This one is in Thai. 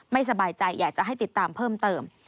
ไม่สบายใจอยากจะให้ติดตามเพิ่มเติม